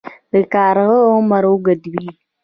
د کارغه عمر اوږد وي